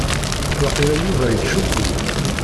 Waqila Yuba Ittcukku.